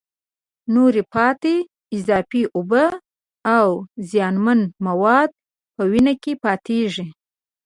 نورې پاتې اضافي اوبه او زیانمن مواد په وینه کې پاتېږي.